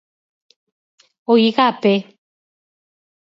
O Igape.